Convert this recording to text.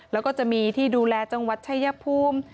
แล้วก็จะมีที่ดูแลจังหวัดชายภูมิ